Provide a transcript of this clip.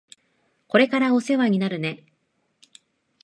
これからお世話になるね。